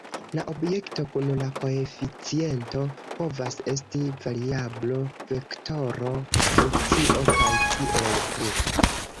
La objekto kun la koeficiento povas esti variablo, vektoro, funkcio, kaj tiel plu.